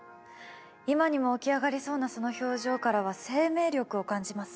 今にも起き上がりそうなその表情からは生命力を感じます。